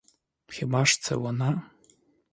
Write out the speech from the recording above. Хіба ж це вона?